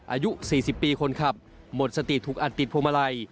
อายุ๔๐ปีคนขับหมดสติถูกอัดติดพวงมาลัย